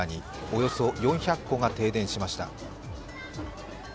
およそ４００戸が停電しました。